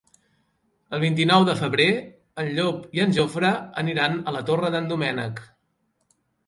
El vint-i-nou de febrer en Llop i en Jofre aniran a la Torre d'en Doménec.